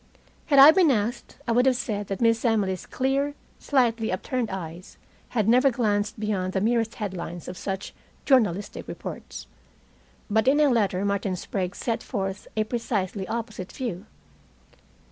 Had I been asked, I would have said that Miss Emily's clear, slightly upturned eyes had never glanced beyond the merest headlines of such journalistic reports. But in a letter Martin Sprague set forth a precisely opposite view.